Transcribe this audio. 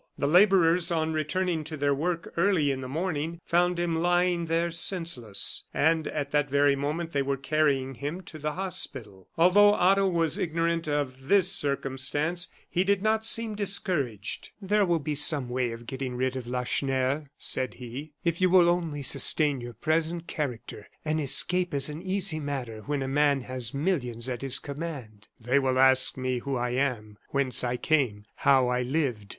The laborers, on returning to their work early in the morning, found him lying there senseless; and at that very moment they were carrying him to the hospital. Although Otto was ignorant of this circumstance, he did not seem discouraged. "There will be some way of getting rid of Lacheneur," said he, "if you will only sustain your present character. An escape is an easy matter when a man has millions at his command." "They will ask me who I am, whence I came, how I have lived."